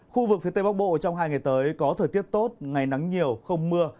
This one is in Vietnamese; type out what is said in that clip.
khu vực phía tây bắc bộ trong hai ngày tới có thời tiết tốt ngày nắng nhiều không mưa